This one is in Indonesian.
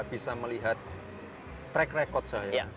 bisa melihat track record saya